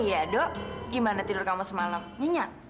iya dok gimana tidur kamu semalam nyenyak